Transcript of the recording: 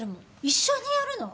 一緒にやるの？